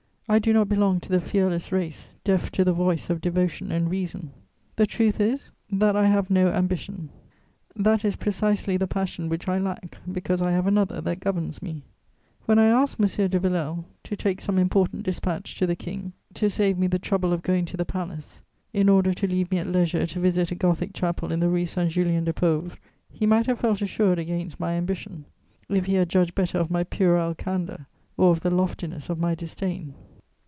I do not belong to the fearless race, deaf to the voice of devotion and reason. The truth is that I have no ambition; that is precisely the passion which I lack, because I have another that governs me. When I asked M. de Villèle to take some important dispatch to the King, to save me the trouble of going to the Palace, in order to leave me at leisure to visit a Gothic chapel in the Rue Saint Julien le Pauvre, he might have felt assured against my ambition, if he had judged better of my puerile candour or of the loftiness of my disdain.